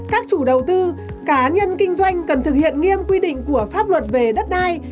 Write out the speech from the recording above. các chủ đầu tư cá nhân kinh doanh cần thực hiện nghiêm quy định của pháp luật về đất đai